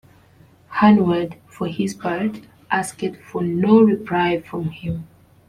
Hanaud, for his part, asked for no reply from him.